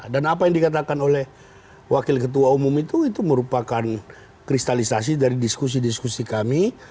dan apa yang dikatakan oleh wakil ketua umum itu itu merupakan kristalisasi dari diskusi diskusi kami